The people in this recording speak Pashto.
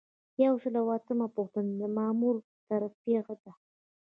یو سل او اتمه پوښتنه د مامور ترفیع ده.